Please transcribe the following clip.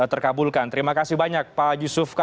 terkabulkan terima kasih banyak pak jusuf kalla